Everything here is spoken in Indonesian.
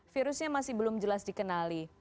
virusnya masih belum jelas dikenali